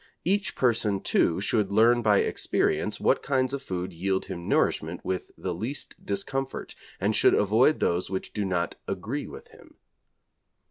Each person, too, should learn by experience what kinds of food yield him nourishment with the least discomfort, and should avoid those which do not "agree" with him.'